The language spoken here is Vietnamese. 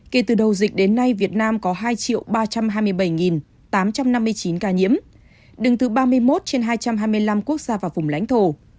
kể từ đầu dịch đến nay việt nam có hai ba trăm hai mươi bảy tám trăm năm mươi chín ca nhiễm đứng thứ ba mươi một trên hai trăm hai mươi năm quốc gia và vùng lãnh thổ